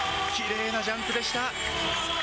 きれいなジャンプでした。